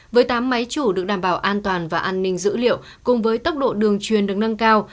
với tám máy chủ được đảm bảo an toàn và an ninh dữ liệu cùng với tốc độ đường truyền được nâng cao